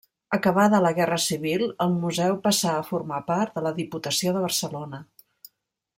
Acabada la Guerra Civil, el museu passà a formar part de la Diputació de Barcelona.